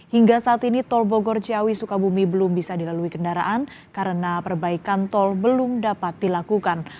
hingga saat ini tol bogor ciawi sukabumi belum bisa dilalui kendaraan karena perbaikan tol belum dapat dilakukan